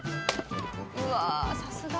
うわさすが。